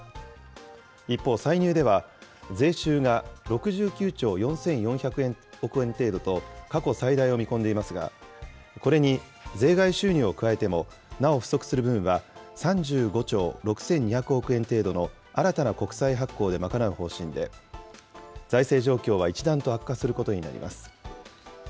一方、歳入では、税収が６９兆４４００億円程度と、過去最大を見込んでいますが、これに税外収入を加えてもなお不足する分は、３５兆６２００億円程度の新たな国債発行で賄う方針で、財政状況は一段と悪化することになります。